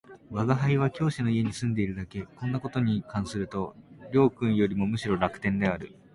吾輩は教師の家に住んでいるだけ、こんな事に関すると両君よりもむしろ楽天である